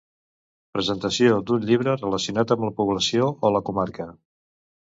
Presentació d'un llibre relacionat amb la població o la comarca.